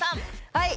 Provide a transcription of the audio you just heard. はい。